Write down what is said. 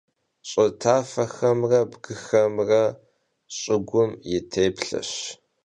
Ş'ı tafexemre bgıxemre ş'ıgum yi têplheş.